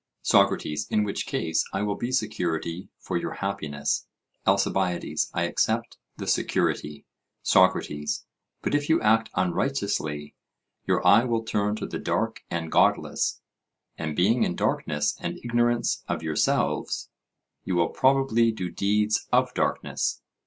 SOCRATES: In which case, I will be security for your happiness. ALCIBIADES: I accept the security. SOCRATES: But if you act unrighteously, your eye will turn to the dark and godless, and being in darkness and ignorance of yourselves, you will probably do deeds of darkness.